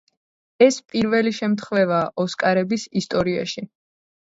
ეს პირველი შემთხვევაა „ოსკარების“ ისტორიაში.